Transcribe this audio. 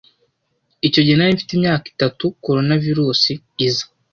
Icyo gihe nari mfite imyaka itatu Coronavirusi iza.